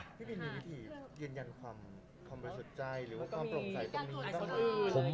พี่บินมีวิธียืนยันความบริสุทธิ์ใจหรือว่าความโปร่งใสตรงนี้บ้างไหม